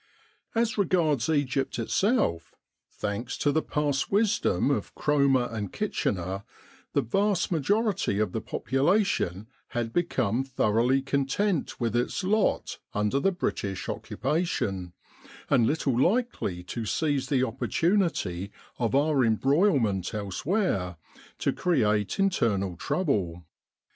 As regards Egypt itself, thanks to the past wisdom of Cromer and Kitchener, the vast majority of the population had become thoroughly content with its lot under the British Occupation, and little likely to seize the opportunity of our embroilment elsewhere, to create internal trouble.